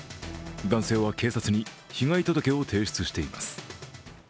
男性は警察に被害届を提出しています。